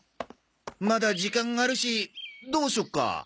まだ時間あるしどうしよっか？